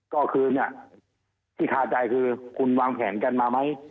ก็คือเนี่ยที่คาใจคือคุณวางแผนกันมาไหม